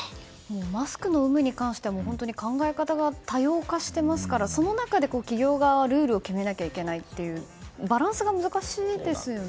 マスクの有無に関しては考え方が多様化していますから、その中で企業側はルールを決めなきゃいけないというバランスが難しいですよね。